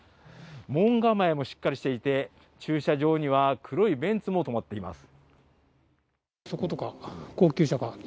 門構えもしっかりしていて駐車場には黒いベンツも止まっています。